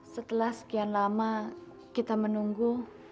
setelah sekian lama kita menunggu